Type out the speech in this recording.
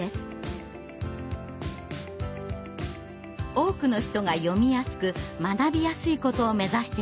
多くの人が読みやすく学びやすいことを目指して作られました。